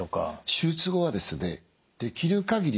手術後はですねできる限り